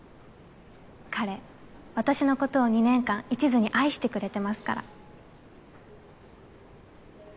彼私のことを２年間いちずに愛してくれてますから。